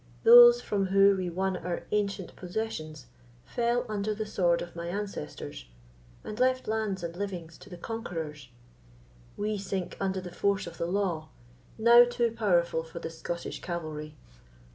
Those from who we won our ancient possessions fell under the sword of my ancestors, and left lands and livings to the conquerors; we sink under the force of the law, now too powerful for the Scottish cavalry.